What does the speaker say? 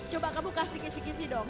coba kamu kasih kisih kisih dong